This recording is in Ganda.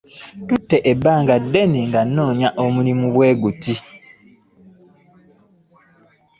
Ntute ebbanga ddene nga nonya omulimu bwe guti.